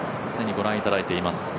既に御覧いただいています。